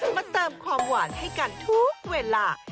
มาเติมความหวานให้กันทุกเวลา